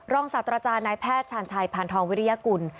ศาสตราจารย์นายแพทย์ชาญชัยพานทองวิริยกุล